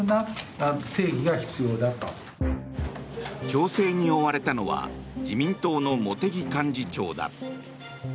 調整に追われたのは自民党の茂木幹事長だ。